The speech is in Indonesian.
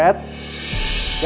ntar gue bantu ya